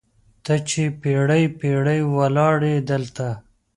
ته چې پیړۍ، پیړۍ ولاړیې دلته